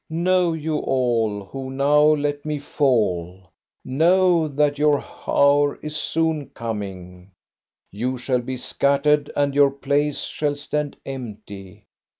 "Know you all, who now let me fall, know that your hour is soon coming ! You shall be scattered, and your place shall stand empty.